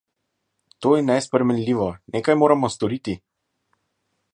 To je nesprejemljivo, nekaj moramo storiti!